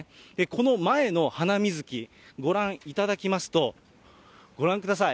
この前のハナミズキ、ご覧いただきますと、ご覧ください。